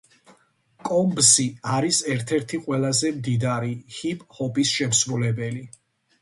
კომბსი არის ერთ-ერთი ყველაზე მდიდარი ჰიპ-ჰოპის შემსრულებელი.